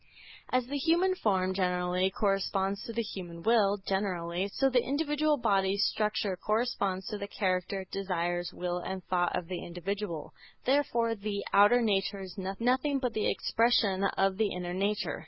As the human form, generally, corresponds to the human will, generally, so the individual bodily structure corresponds to the character, desires, will and thought of the individual. Therefore the outer nature is nothing but the expression of the inner nature.